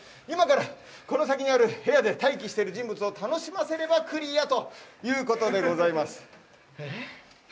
今からこの先にある部屋で待機している人物を楽しませればクリアということでございます。